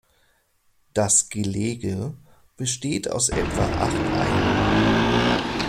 Das Gelege besteht aus etwa acht Eiern.